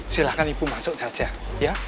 silahkan ibu masuk saja ya